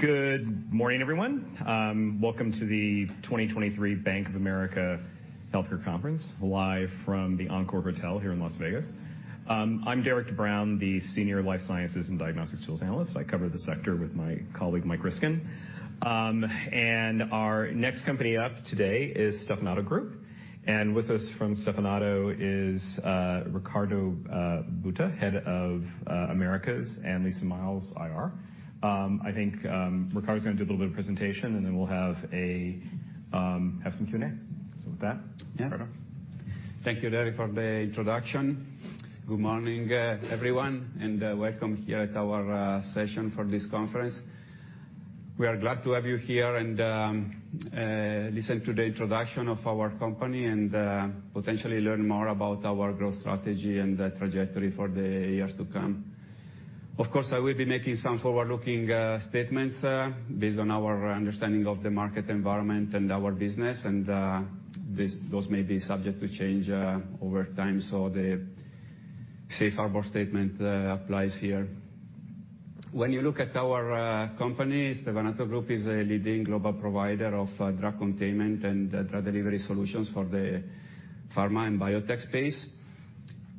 Good morning, everyone. Welcome to the 2023 Bank of America Healthcare Conference live from the Encore Hotel here in Las Vegas. I'm Derik De Bruin, the Senior Life Sciences and Diagnostics Tools Analyst. I cover the sector with my colleague, Mike Ryskin. Our next company up today is Stevanato Group. With us from Stevanato is Riccardo Butta, Head of Americas, and Lisa Miles, IR. I think Riccardo's gonna do a little bit of presentation, and then we'll have some Q&A. With that, Riccardo. Yeah. Thank you, Derik, for the introduction. Good morning, everyone, and welcome here at our session for this conference. We are glad to have you here and listen to the introduction of our company and potentially learn more about our growth strategy and the trajectory for the years to come. Of course, I will be making some forward-looking statements, based on our understanding of the market environment and our business and those may be subject to change over time. The safe harbor statement applies here. When you look at our company, Stevanato Group is a leading global provider of drug containment and drug delivery solutions for the pharma and biotech space.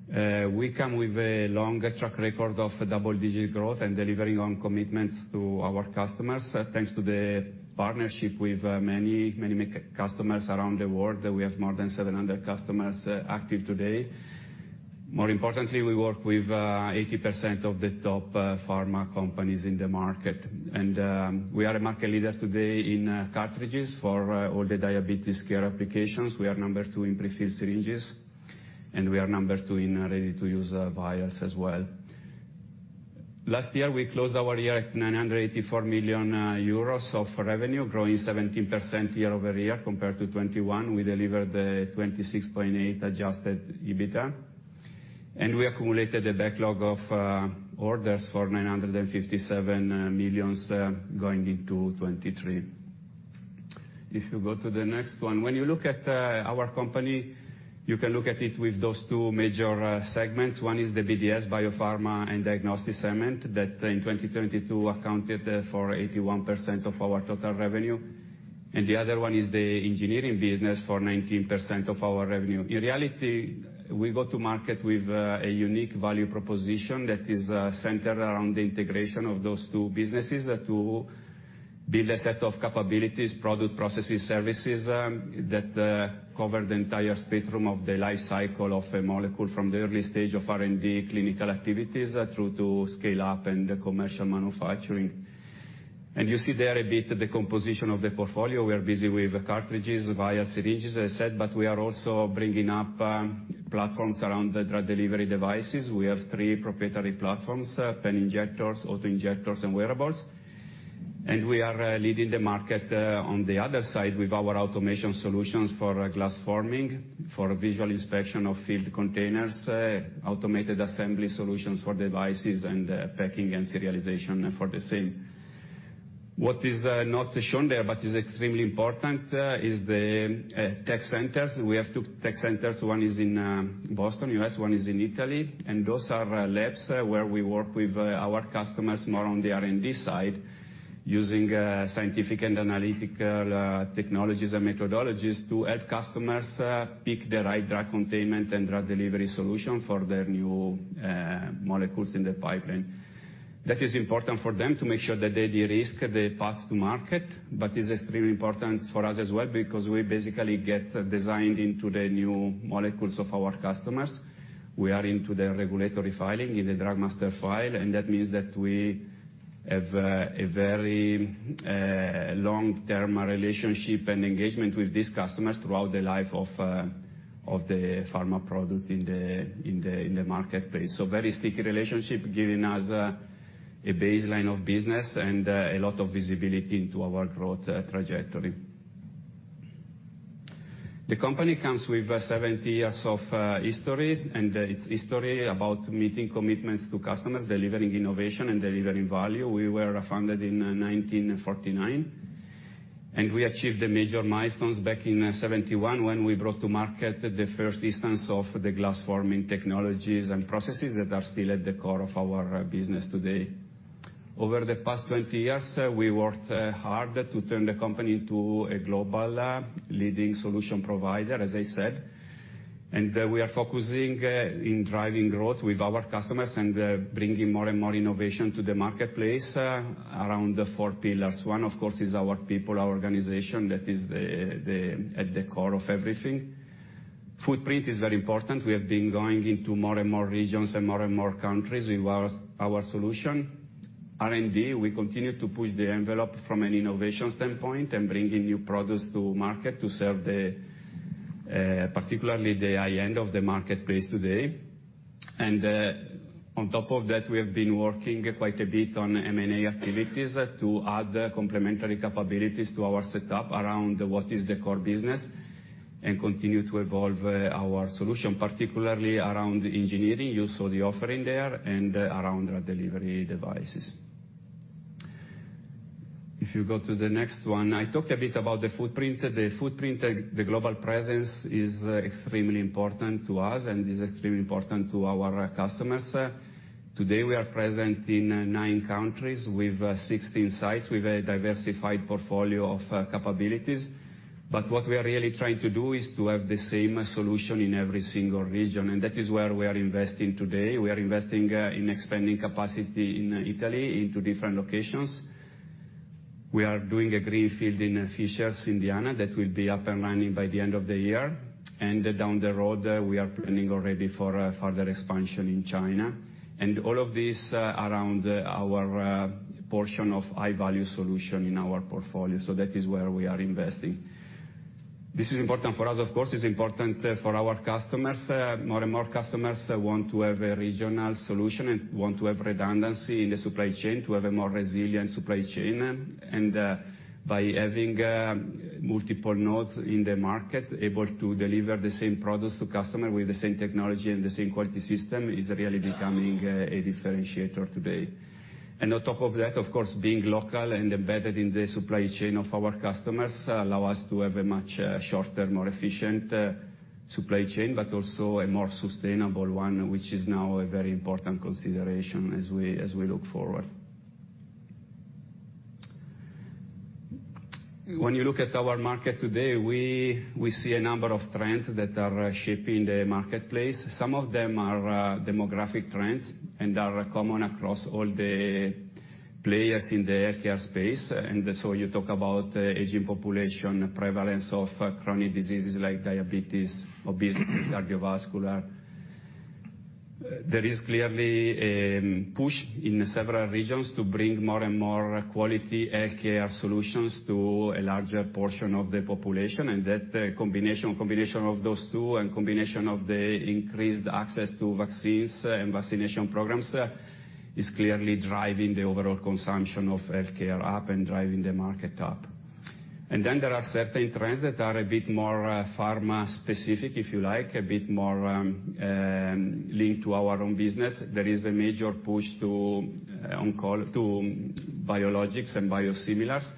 We come with a long track record of double-digit growth and delivering on commitments to our customers, thanks to the partnership with many, many mega customers around the world. We have more than 700 customers active today. More importantly, we work with 80% of the top pharma companies in the market. We are a market leader today in cartridges for all the diabetes care applications. We are number 2 in prefilled syringes, and we are number 2 in ready-to-use vials as well. Last year, we closed our year at 984 million euros of revenue, growing 17% year-over-year compared to 2021. We delivered the 26.8% adjusted EBITDA, and we accumulated a backlog of orders for 957 million going into 2023. If you go to the next one. When you look at our company, you can look at it with those two major segments. One is the BDS, Biopharma and Diagnostics segment that in 2022 accounted for 81% of our total revenue, and the other one is the engineering business for 19% of our revenue. In reality, we go to market with a unique value proposition that is centered around the integration of those two businesses to build a set of capabilities, product, processes, services that cover the entire spectrum of the life cycle of a molecule from the early stage of R&D clinical activities through to scale-up and commercial manufacturing. You see there a bit the composition of the portfolio. We are busy with cartridges, vials, syringes, as I said, but we are also bringing up platforms around the drug delivery devices. We have three proprietary platforms, pen injectors, auto-injectors, and wearables. We are leading the market on the other side with our automation solutions for glass forming, for visual inspection of filled containers, automated assembly solutions for devices and packing and serialization for the same. What is not shown there, but is extremely important, is the tech centers. We have two tech centers. One is in Boston, U.S., one is in Italy, and those are labs where we work with our customers more on the R&D side using scientific and analytical technologies and methodologies to help customers pick the right drug containment and drug delivery solution for their new molecules in the pipeline. That is important for them to make sure that they de-risk the path to market. Is extremely important for us as well because we basically get designed into the new molecules of our customers. We are into the regulatory filing in the Drug Master File. That means that we have a very long-term relationship and engagement with these customers throughout the life of the pharma product in the marketplace. Very sticky relationship, giving us a baseline of business and a lot of visibility into our growth trajectory. The company comes with 70 years of history and its history about meeting commitments to customers, delivering innovation and delivering value. We were founded in 1949, and we achieved the major milestones back in 71 when we brought to market the first instance of the glass-forming technologies and processes that are still at the core of our business today. Over the past 20 years, we worked hard to turn the company into a global leading solution provider, as I said. We are focusing in driving growth with our customers and bringing more and more innovation to the marketplace around the four pillars. One, of course, is our people, our organization that is the at the core of everything. Footprint is very important. We have been going into more and more regions and more and more countries with our solution. R&D, we continue to push the envelope from an innovation standpoint and bringing new products to market to serve the particularly the high end of the marketplace today. On top of that, we have been working quite a bit on M&A activities to add complementary capabilities to our setup around what is the core business and continue to evolve our solution, particularly around engineering, you saw the offering there, and around our delivery devices. If you go to the next one, I talk a bit about the footprint. The footprint, the global presence is extremely important to us and is extremely important to our customers. Today, we are present in nine countries with 16 sites with a diversified portfolio of capabilities. What we are really trying to do is to have the same solution in every single region, and that is where we are investing today. We are investing in expanding capacity in Italy into different locations. We are doing a greenfield in Fishers, Indiana, that will be up and running by the end of the year. Down the road, we are planning already for further expansion in China. All of this around our portion of high-value solution in our portfolio. That is where we are investing. This is important for us, of course, it's important for our customers. More and more customers want to have a regional solution and want to have redundancy in the supply chain to have a more resilient supply chain. By having multiple nodes in the market, able to deliver the same products to customer with the same technology and the same quality system is really becoming a differentiator today. On top of that, of course, being local and embedded in the supply chain of our customers allow us to have a much shorter, more efficient supply chain, but also a more sustainable one, which is now a very important consideration as we, as we look forward. When you look at our market today, we see a number of trends that are shaping the marketplace. Some of them are demographic trends and are common across all the players in the healthcare space. So you talk about aging population, prevalence of chronic diseases like diabetes, obesity, cardiovascular. There is clearly a push in several regions to bring more and more quality healthcare solutions to a larger portion of the population, that combination of those two, and combination of the increased access to vaccines and vaccination programs, is clearly driving the overall consumption of healthcare up and driving the market up. Then there are certain trends that are a bit more pharma-specific, if you like, a bit more linked to our own business. There is a major push to biologics and biosimilars.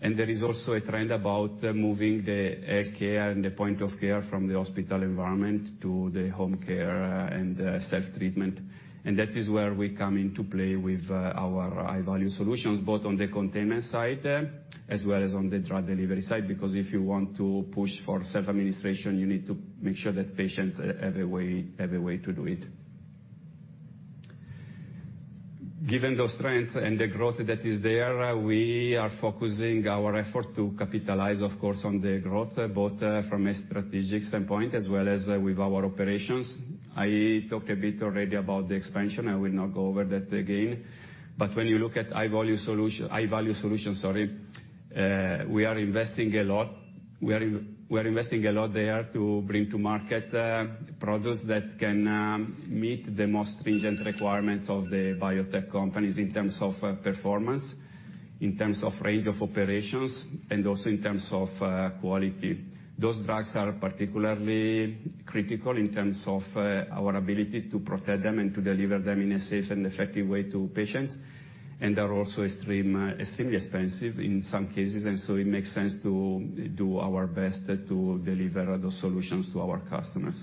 There is also a trend about moving the healthcare and the point of care from the hospital environment to the home care and self-treatment. That is where we come into play with our high-value solutions, both on the containment side as well as on the drug delivery side, because if you want to push for self-administration, you need to make sure that patients have a way to do it. Given those trends and the growth that is there, we are focusing our effort to capitalize, of course, on the growth, both from a strategic standpoint as well as with our operations. I talked a bit already about the expansion. I will not go over that again. When you look at high-value solution, sorry, we are investing a lot. We are investing a lot there to bring to market, products that can meet the most stringent requirements of the biotech companies in terms of performance, in terms of range of operations, and also in terms of quality. Those drugs are particularly critical in terms of our ability to protect them and to deliver them in a safe and effective way to patients, and they're also extremely expensive in some cases. It makes sense to do our best to deliver those solutions to our customers.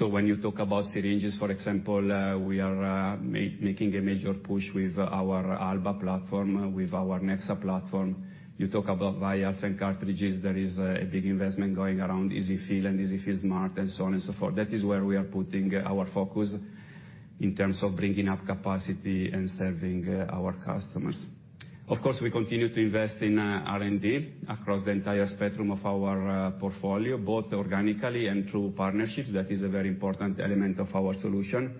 When you talk about syringes, for example, we are making a major push with our Alba platform, with our Nexa platform. You talk about vials and cartridges, there is a big investment going around EZ-fill and EZ-fill Smart and so on and so forth. That is where we are putting our focus in terms of bringing up capacity and serving our customers. Of course, we continue to invest in R&D across the entire spectrum of our portfolio, both organically and through partnerships. That is a very important element of our solution.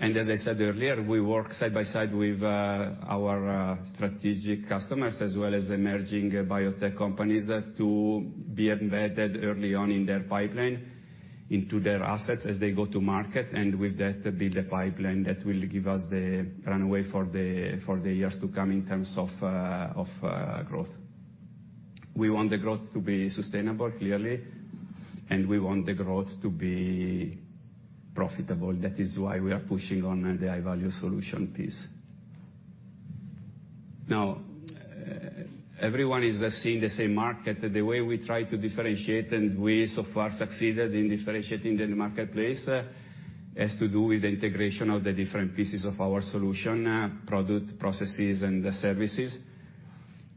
As I said earlier, we work side by side with our strategic customers as well as emerging biotech companies to be embedded early on in their pipeline, into their assets as they go to market. With that, build a pipeline that will give us the runway for the, for the years to come in terms of growth. We want the growth to be sustainable, clearly, and we want the growth to be profitable. That is why we are pushing on the high-value solution piece. Everyone is seeing the same market. The way we try to differentiate, and we so far succeeded in differentiating the marketplace, has to do with integration of the different pieces of our solution, product, processes, and the services.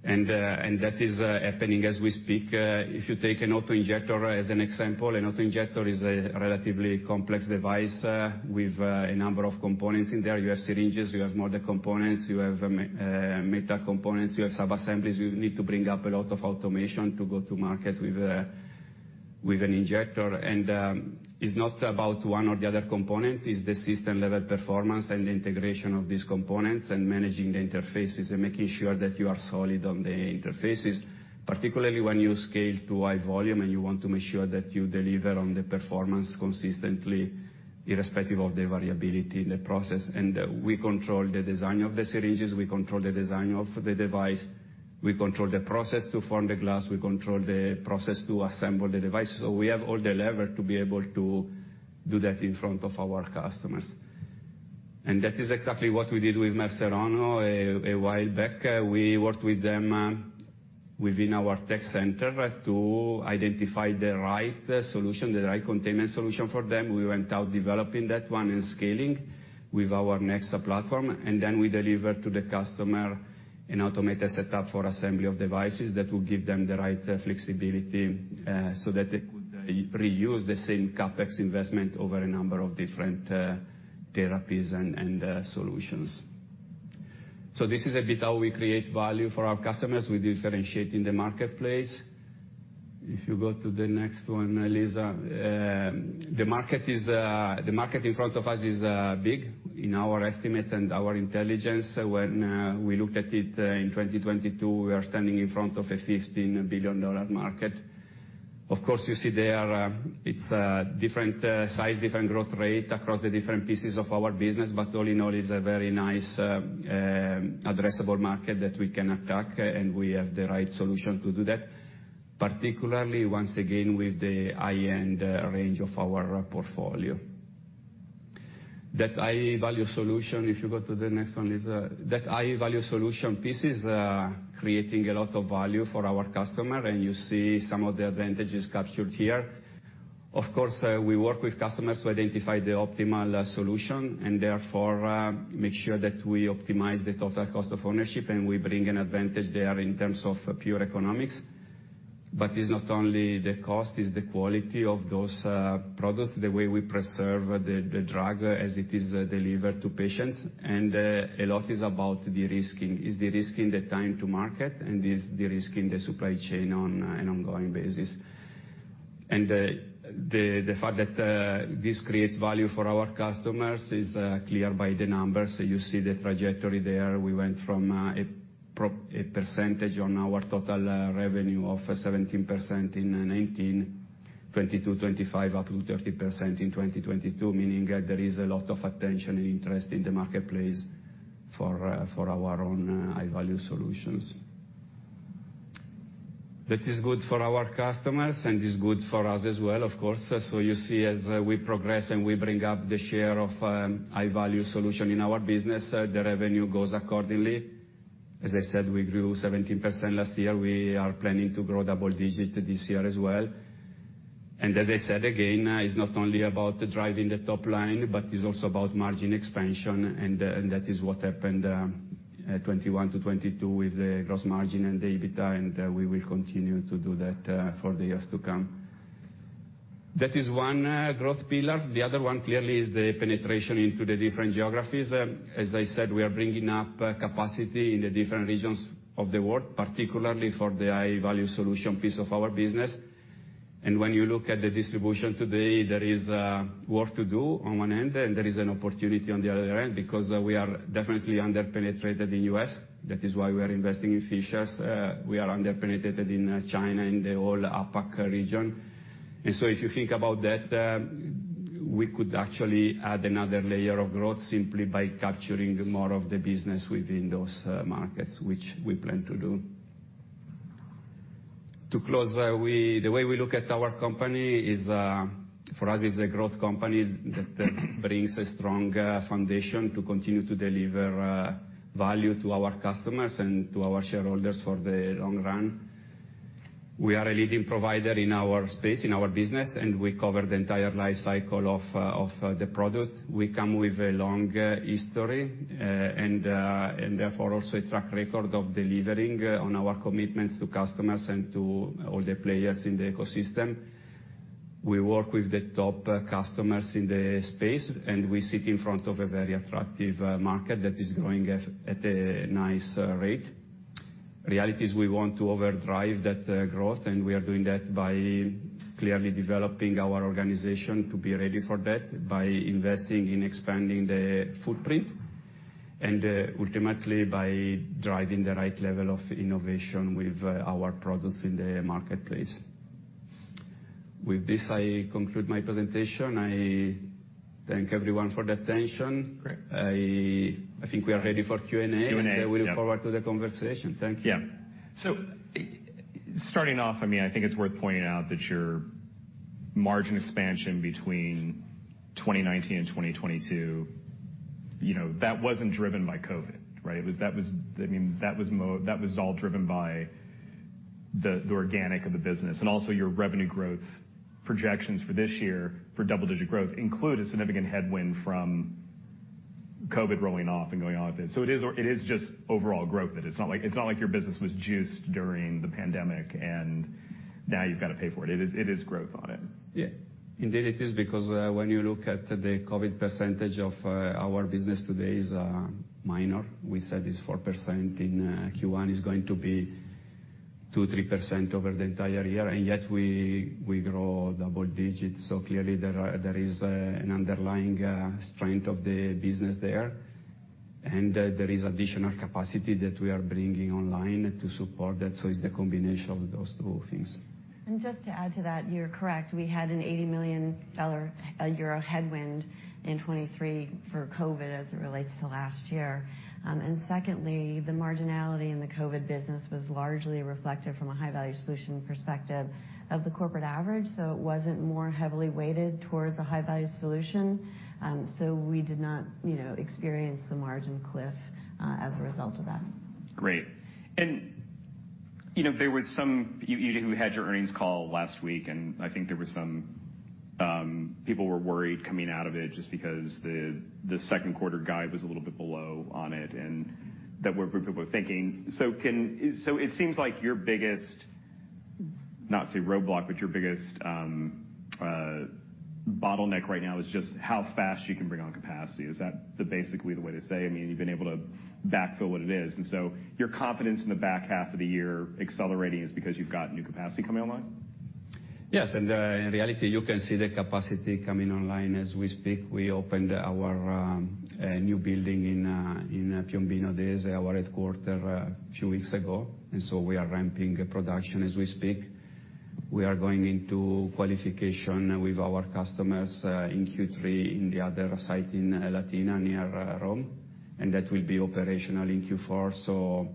That is happening as we speak. If you take an auto-injector as an example, an auto-injector is a relatively complex device, with a number of components in there. You have syringes, you have motor components, you have meta components, you have subassemblies. We need to bring up a lot of automation to go to market with an injector. It's not about one or the other component. It's the system-level performance and integration of these components and managing the interfaces and making sure that you are solid on the interfaces, particularly when you scale to high volume and you want to make sure that you deliver on the performance consistently, irrespective of the variability in the process. We control the design of the syringes, we control the design of the device. We control the process to form the glass. We control the process to assemble the device. So we have all the lever to be able to do that in front of our customers. That is exactly what we did with Mersana a while back. We worked with them within our tech center to identify the right solution, the right containment solution for them. We went out developing that one and scaling with our Nexa® platform. We deliver to the customer an automated setup for assembly of devices that will give them the right flexibility so that they could reuse the same CapEx investment over a number of different therapies and solutions. This is a bit how we create value for our customers. We differentiate in the marketplace. If you go to the next one, Lisa. The market in front of us is big in our estimates and our intelligence. When we looked at it in 2022, we are standing in front of a $15 billion market. Of course, you see there, it's a different size, different growth rate across the different pieces of our business. All in all is a very nice addressable market that we can attack, and we have the right solution to do that, particularly once again, with the high-end range of our portfolio. That high-value solution. If you go to the next one, Lisa. That high-value solution piece is creating a lot of value for our customer, and you see some of the advantages captured here. Of course, we work with customers to identify the optimal solution and therefore, make sure that we optimize the total cost of ownership, and we bring an advantage there in terms of pure economics. It's not only the cost, it's the quality of those products, the way we preserve the drug as it is delivered to patients. A lot is about de-risking. It's de-risking the time to market, it's de-risking the supply chain on an ongoing basis. The fact that this creates value for our customers is clear by the numbers, you see the trajectory there. We went from a percentage on our total revenue of 17% in 2019, 2020 to 25%, up to 30% in 2022, meaning that there is a lot of attention and interest in the marketplace for our own high-value solutions. That is good for our customers and is good for us as well, of course. You see, as we progress and we bring up the share of high-value solution in our business, the revenue goes accordingly. As I said, we grew 17% last year. We are planning to grow double digits this year as well. As I said again, it's not only about driving the top line, but it's also about margin expansion, and that is what happened 2021 to 2022 with the gross margin and the EBITDA, and we will continue to do that for the years to come. That is one growth pillar. The other one clearly is the penetration into the different geographies. As I said, we are bringing up capacity in the different regions of the world, particularly for the high-value solution piece of our business. When you look at the distribution today, there is work to do on one end, and there is an opportunity on the other end because we are definitely under-penetrated in U.S. That is why we are investing in Fishers. We are under-penetrated in China, in the whole APAC region. If you think about that, we could actually add another layer of growth simply by capturing more of the business within those markets, which we plan to do. To close, the way we look at our company is, for us, it's a growth company that brings a strong foundation to continue to deliver value to our customers and to our shareholders for the long run. We are a leading provider in our space, in our business, and we cover the entire life cycle of the product. We come with a long history, and therefore also a track record of delivering on our commitments to customers and to all the players in the ecosystem. We work with the top customers in the space, and we sit in front of a very attractive market that is growing at a nice rate. Reality is we want to overdrive that growth, and we are doing that by clearly developing our organization to be ready for that by investing in expanding the footprint and ultimately by driving the right level of innovation with our products in the marketplace. With this, I conclude my presentation. I thank everyone for the attention. Great. I think we are ready for Q&A. Q&A, yep. I look forward to the conversation. Thank you. Starting off, I mean, I think it's worth pointing out that your margin expansion between 2019 and 2022, you know, that wasn't driven by Covid, right? That was, I mean, that was all driven by the organic of the business. Also, your revenue growth projections for this year for double-digit growth include a significant headwind from Covid rolling off and going on with it. It is just overall growth, that it's not like, it's not like your business was juiced during the pandemic, and now you've got to pay for it. It is growth on it. Indeed, it is, because when you look at the Covid percentage of our business today is minor. We said it's 4% in Q1. It's going to be 2%-3% over the entire year, and yet we grow double digits. Clearly, there is an underlying strength of the business there, and there is additional capacity that we are bringing online to support that, so it's the combination of those two things. Just to add to that, you're correct. We had an EUR 80 million headwind in 2023 for COVID as it relates to last year. Secondly, the marginality in the COVID business was largely reflective from a high-value solution perspective of the corporate average, so it wasn't more heavily weighted towards a high-value solution. We did not, you know, experience the margin cliff, as a result of that. Great. You know, there was some. You had your earnings call last week, and I think there was some people worried coming out of it just because the second quarter guide was a little bit below on it, and that where people were thinking. It seems like your biggest, not to say roadblock, but your biggest bottleneck right now is just how fast you can bring on capacity. Is that basically the way to say it? I mean, you've been able to backfill what it is, and so your confidence in the back half of the year accelerating is because you've got new capacity coming online? Yes. In reality, you can see the capacity coming online as we speak. We opened our new building in Piombino Dese, our headquarter a few weeks ago. So we are ramping production as we speak. We are going into qualification with our customers in Q3 in the other site in Latina near Rome. That will be operational in Q4.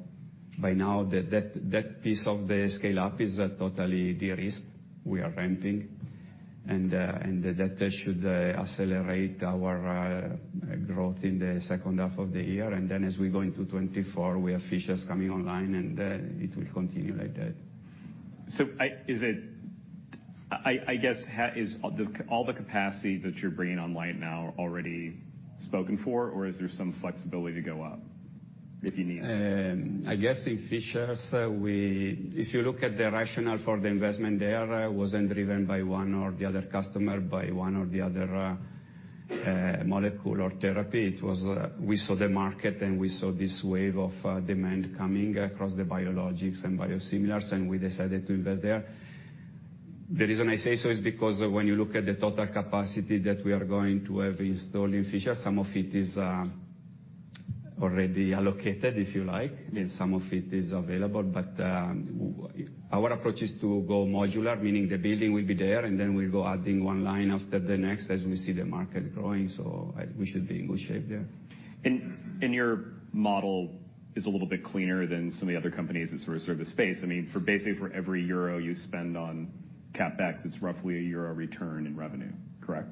By now that piece of the scale-up is totally de-risked. We are ramping. That should accelerate our growth in the second half of the year. As we go into 2024, we have Fishers coming online, it will continue like that. I guess Is all the capacity that you're bringing online now already spoken for, or is there some flexibility to go up if you need it? I guess in Fishers, if you look at the rationale for the investment there, it wasn't driven by one or the other customer, by one or the other molecule or therapy. We saw the market, we saw this wave of demand coming across the biologics and biosimilars, we decided to invest there. The reason I say so is because when you look at the total capacity that we are going to have installed in Fishers, some of it is already allocated, if you like, and some of it is available. Our approach is to go modular, meaning the building will be there, we'll go adding one line after the next as we see the market growing. We should be in good shape there. Your model is a little bit cleaner than some of the other companies that sort of serve the space. I mean, for basically for every EUR you spend on CapEx, it's roughly a EUR return in revenue, correct?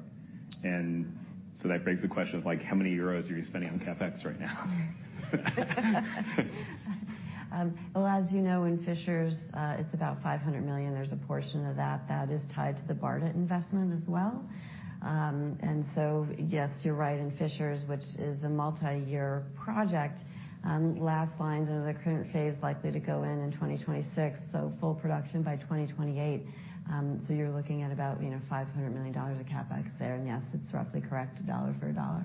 That begs the question of like, how many EUR are you spending on CapEx right now? Well, as you know, in Fishers, it's about $500 million. There's a portion of that that is tied to the BARDA investment as well. Yes, you're right, in Fishers, which is a multi-year project, last lines of the current phase likely to go in in 2026, so full production by 2028. You're looking at about, you know, $500 million of CapEx there. Yes, it's roughly correct, dollar for dollar.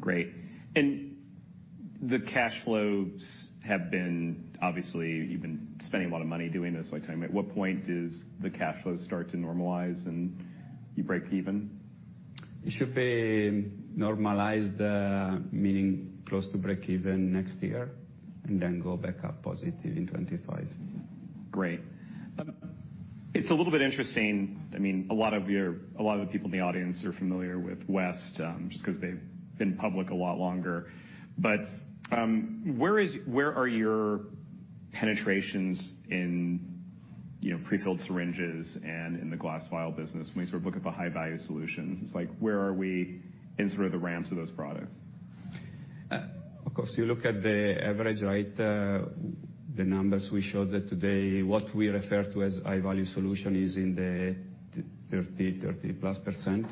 Great. The cash flows have been, obviously you've been spending a lot of money doing this. I'm like, at what point does the cash flows start to normalize and you break even? It should be normalized, meaning close to break even next year, and then go back up positive in 2025. Great. I mean, a lot of the people in the audience are familiar with West, just 'cause they've been public a lot longer. Where are your penetrations in, you know, prefilled syringes and in the glass vial business when we sort of look at the high-value solutions? It's like, where are we in sort of the ramps of those products? Of course, you look at the average, right? The numbers we showed today, what we refer to as high-value solution is in the 30-plus %.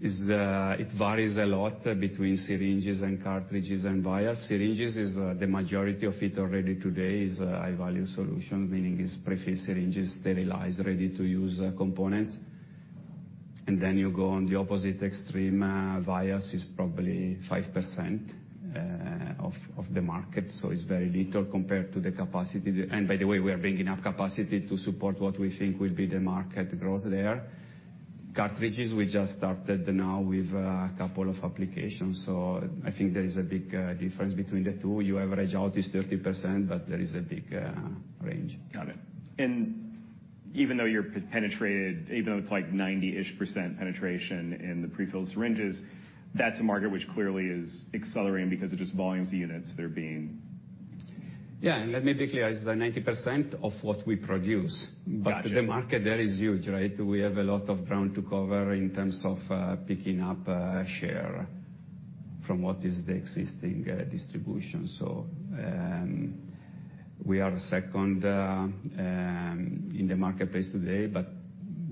It varies a lot between syringes and cartridges and vials. Syringes is the majority of it already today is a high-value solution, meaning it's prefilled syringes, sterilized, ready-to-use components. You go on the opposite extreme, vials is probably 5% of the market. It's very little compared to the capacity. By the way, we are bringing up capacity to support what we think will be the market growth there. Cartridges, we just started now with a couple of applications, so I think there is a big difference between the two. Your average out is 30%, but there is a big range. Got it. Even though you're penetrated, even though it's like 90-ish% penetration in the prefilled syringes, that's a market which clearly is accelerating because of just volumes of units that are being... Yeah. Let me be clear. It's 90% of what we produce. Gotcha. The market there is huge, right? We have a lot of ground to cover in terms of picking up share from what is the existing distribution. We are second in the marketplace today, but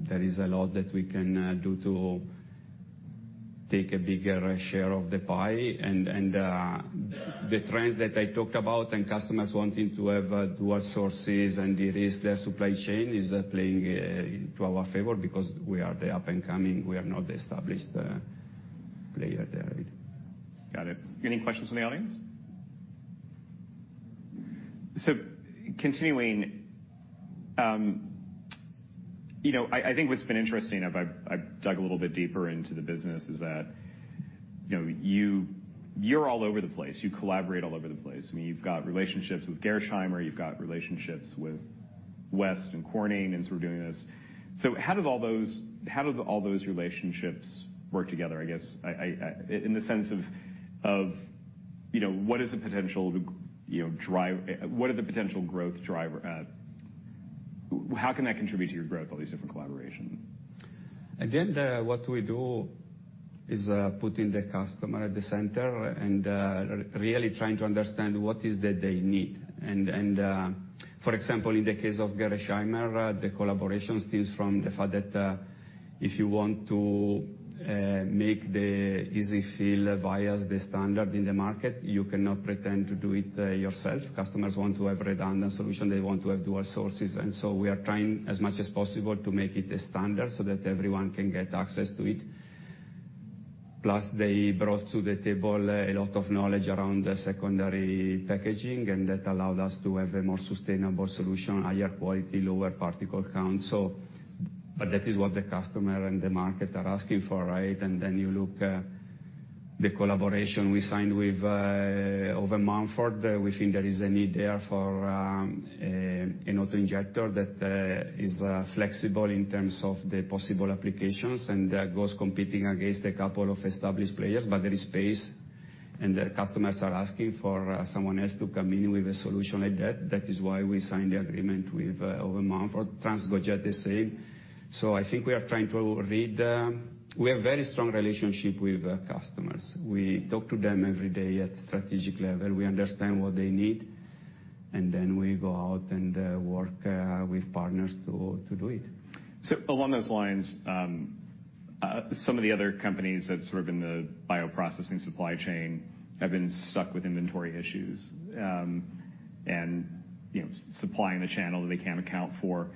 there is a lot that we can do to take a bigger share of the pie. The trends that I talked about and customers wanting to have dual sources and de-risk their supply chain is playing into our favor because we are the up and coming. We are not the established player there. Got it. Any questions from the audience? Continuing, you know, I think what's been interesting, I've dug a little bit deeper into the business, is that. You know, you're all over the place. You collaborate all over the place. I mean, you've got relationships with Gerresheimer, you've got relationships with West and Corning as we're doing this. How did all those relationships work together? I guess I, in the sense of, you know, what is the potential, what are the potential growth driver? How can that contribute to your growth, all these different collaborations? Again, what we do is putting the customer at the center and really trying to understand what is that they need. For example, in the case of Gerresheimer, the collaboration stems from the fact that if you want to make the EZ-fill vials the standard in the market, you cannot pretend to do it yourself. Customers want to have redundant solution. They want to have dual sources. So we are trying as much as possible to make it a standard so that everyone can get access to it. Plus, they brought to the table a lot of knowledge around secondary packaging, and that allowed us to have a more sustainable solution, higher quality, lower particle count. But that is what the customer and the market are asking for, right? You look, the collaboration we signed with Owen Mumford. We think there is a need there for an auto-injector that is flexible in terms of the possible applications, and that goes competing against a couple of established players. There is space, and the customers are asking for someone else to come in with a solution like that. That is why we signed the agreement with Owen Mumford. Transcoject the same. I think we are trying to read. We have very strong relationship with customers. We talk to them every day at strategic level. We understand what they need, and then we go out and work with partners to do it. Along those lines, some of the other companies that sort of in the bioprocessing supply chain have been stuck with inventory issues, and, you know, supplying a channel that they can't account for.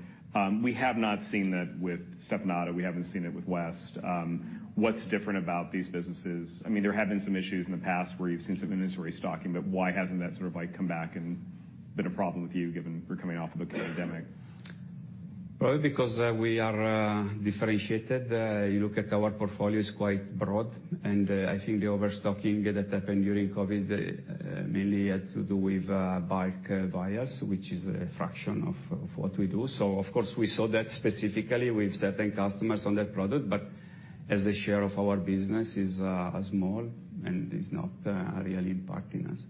We have not seen that with Stevanato. We haven't seen it with West. What's different about these businesses? I mean, there have been some issues in the past where you've seen some inventory stocking, but why hasn't that sort of, like, come back and been a problem with you, given we're coming off of a pandemic? Well, because we are differentiated. You look at our portfolio is quite broad, and I think the overstocking that happened during COVID mainly had to do with bulk buyers, which is a fraction of what we do. Of course, we saw that specifically with certain customers on that product. As a share of our business is small and is not really impacting us.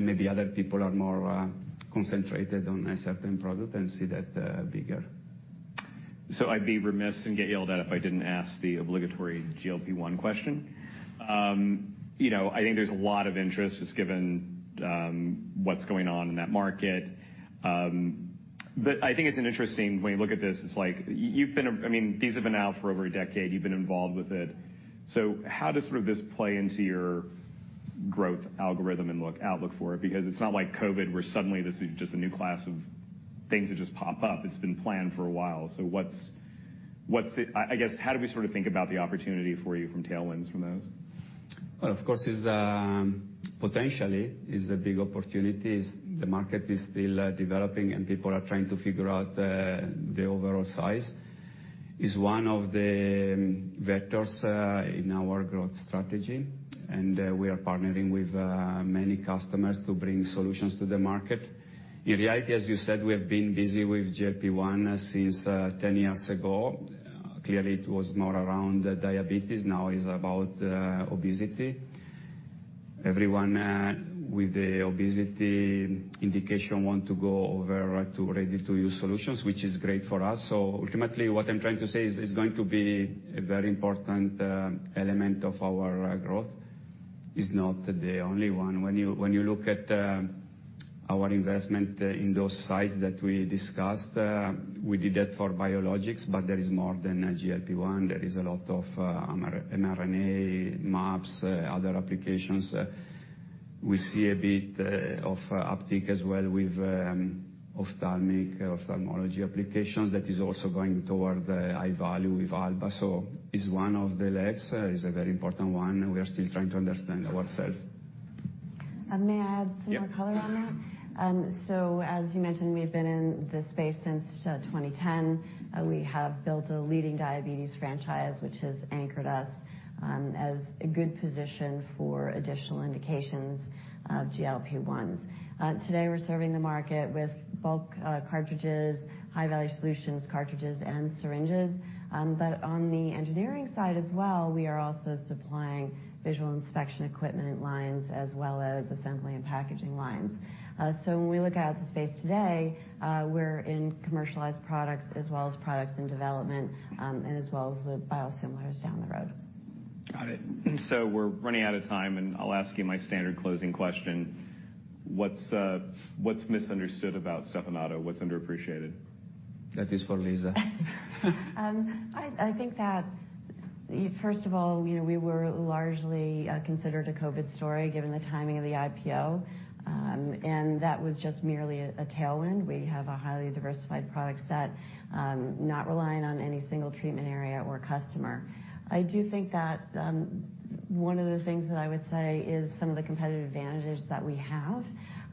Maybe other people are more concentrated on a certain product and see that bigger. I'd be remiss and get yelled at if I didn't ask the obligatory GLP-1 question. you know, I think there's a lot of interest just given what's going on in that market. but I think it's an interesting. When you look at this, it's like you've been. I mean, these have been out for over a decade. You've been involved with it. How does sort of this play into your growth algorithm and look, outlook for it? Because it's not like Covid, where suddenly this is just a new class of things that just pop up. It's been planned for a while. What's it? I guess, how do we sort of think about the opportunity for you from tailwinds from those? Of course, it's potentially a big opportunity. The market is still developing, people are trying to figure out the overall size. Is one of the vectors in our growth strategy. We are partnering with many customers to bring solutions to the market. In reality, as you said, we have been busy with GLP-1 since 10 years ago. Clearly, it was more around diabetes. Now is about obesity. Everyone with the obesity indication want to go over to ready-to-use solutions, which is great for us. Ultimately, what I'm trying to say is it's going to be a very important element of our growth. Is not the only one. When you look at our investment in those sites that we discussed, we did that for biologics, but there is more than a GLP-1. There is a lot of mRNA, mAbs, other applications. We see a bit of uptick as well with ophthalmic, ophthalmology applications. That is also going toward the high value with Alba. It's one of the legs. It's a very important one. We are still trying to understand ourself. May I add some more color on that? Yeah. As you mentioned, we've been in this space since 2010. We have built a leading diabetes franchise, which has anchored us as a good position for additional indications of GLP-1s. Today, we're serving the market with bulk cartridges, high-value solutions cartridges, and syringes. On the engineering side as well, we are also supplying visual inspection equipment lines as well as assembly and packaging lines. When we look out at the space today, we're in commercialized products as well as products in development, and as well as the biosimilars down the road. Got it. We're running out of time, and I'll ask you my standard closing question. What's what's misunderstood about Stevanato? What's underappreciated? That is for Lisa. I think that, first of all, you know, we were largely considered a Covid story, given the timing of the IPO, and that was just merely a tailwind. We have a highly diversified product set, not relying on any single treatment area or customer. I do think that, one of the things that I would say is some of the competitive advantages that we have,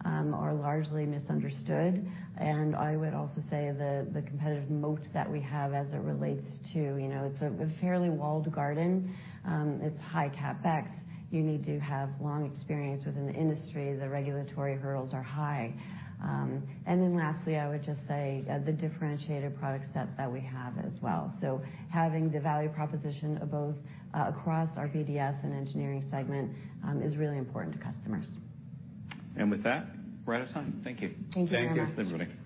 are largely misunderstood. I would also say the competitive moat that we have as it relates to, you know, it's a fairly walled garden. It's high CapEx. You need to have long experience within the industry. The regulatory hurdles are high. Lastly, I would just say the differentiated product set that we have as well. Having the value proposition of both across our BDS and engineering segment is really important to customers. With that, we're out of time. Thank you. Thank you very much. Thank you. Thanks, everybody.